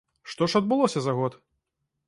Што ж адбылося за год?